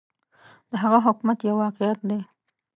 د هغه حکومت یو واقعیت دی.